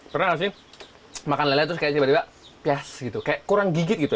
pernah nggak sih makan lele terus kayak tiba tiba pias gitu kayak kurang gigit gitu